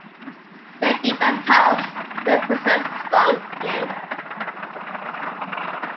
Their feet are tough and they possess strong limbs.